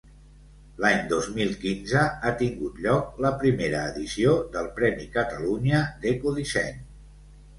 L'any dos mil quinze ha tingut lloc la primera edició del Premi Catalunya d'Ecodisseny.